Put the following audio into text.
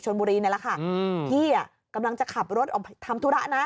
บุรีนี่แหละค่ะอืมพี่อ่ะกำลังจะขับรถออกไปทำธุระนะ